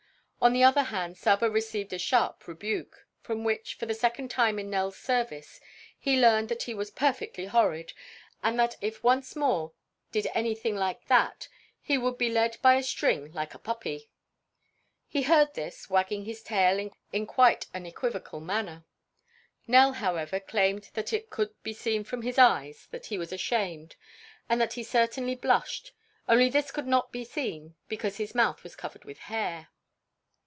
On the other hand Saba received a sharp rebuke, from which, for the second time in Nell's service, he learned that he was perfectly horrid, and that if he once more did anything like that he would be led by a string like a puppy. He heard this, wagging his tail in quite an equivocal manner. Nell, however, claimed that it could be seen from his eyes that he was ashamed and that he certainly blushed; only this could not be seen because his mouth was covered with hair.